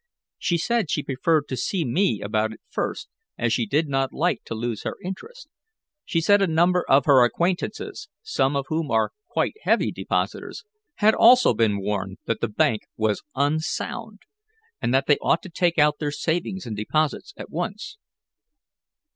She said she preferred to see me about it first, as she did not like to lose her interest. She said a number of her acquaintances, some of whom are quite heavy depositors, had also been warned that the bank was unsound, and that they ought to take out their savings and deposits at once."